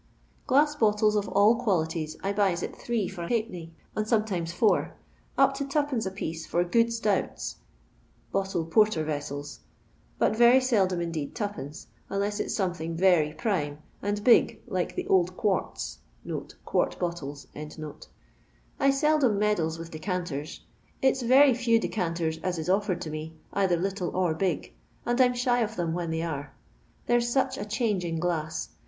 '' Glass bottles of all qualities I buys at three for a halfpenny, and sometimes four, up to 2d. a piece for 'good stouts' (bottled porter vessels), but very seldom indeed 2'/., unless it's something very prime nnd big like the old quarts (quart bottles). I seldom meddles with decanters. It 's very few decanters ps is offered to me, either little or big, and I 'm shy of them when they are. There 's such a change in glass.